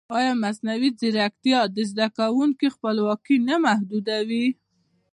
ایا مصنوعي ځیرکتیا د زده کوونکي خپلواکي نه محدودوي؟